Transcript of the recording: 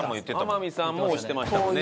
天海さんも推してましたもんね。